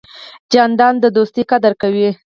جانداد د دوستۍ قدر کوي.